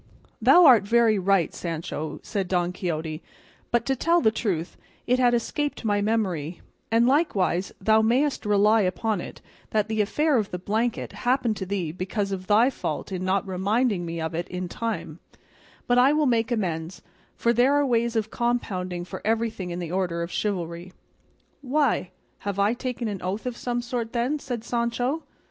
"Thou art very right, Sancho," said Don Quixote, "but to tell the truth, it had escaped my memory; and likewise thou mayest rely upon it that the affair of the blanket happened to thee because of thy fault in not reminding me of it in time; but I will make amends, for there are ways of compounding for everything in the order of chivalry." "Why! have I taken an oath of some sort, then?" said Sancho.